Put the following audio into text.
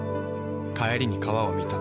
帰りに川を見た。